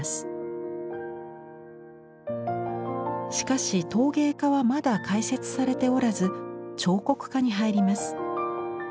しかし陶芸科はまだ開設されておらず彫刻科に入ります。